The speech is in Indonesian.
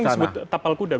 itu yang disebut tapal kuda